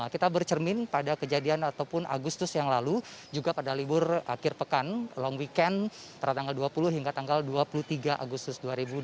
kita bercermin pada kejadian ataupun agustus yang lalu juga pada libur akhir pekan long weekend pada tanggal dua puluh hingga tanggal dua puluh tiga agustus dua ribu dua puluh